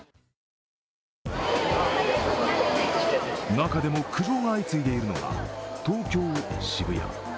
中でも苦情が相次いでいるのが東京・渋谷。